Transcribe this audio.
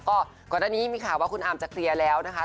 ก็ก่อนหน้านี้มีข่าวว่าคุณอาร์มจะเคลียร์แล้วนะคะ